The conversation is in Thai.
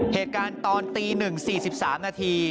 เหตุการณ์ตอนตี๑๔๓นาที